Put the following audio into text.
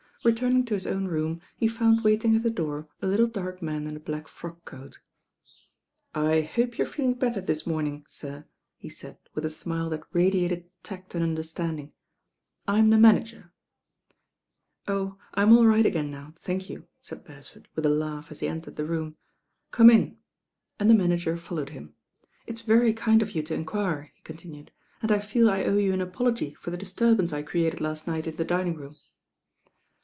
Returning to his own room he found waiting at the door a little dark man in a black frock coat. "I hope you're feeling better this morning, sir," he said, with a smile that radiated tact and under standing. "I'm the manager." "Oh I I'm all right again now, thank you," said Beresford, with a laugh as he entered the room. "Come in," and the manager followed him. "It's very kind of you to enquire," he continued, "and I feel I owe you an apology for the disturbance I created last night in the dining room."